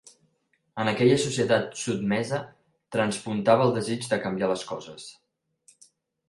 En aquella societat sotmesa traspuntava el desig de canviar les coses.